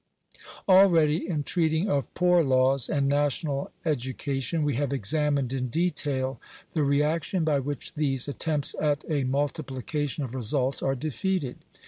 Already, in treating of Poor Laws and National Education, we have examined in detail the reaction by which these at tempts at a multiplication of results are defeated.